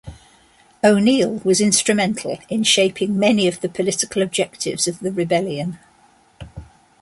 O'Neill was instrumental in shaping many of the political objectives of the rebellion.